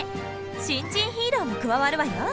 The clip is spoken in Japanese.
新人ヒーローも加わるわよ。